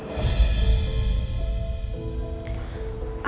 pertanyaan yang terakhir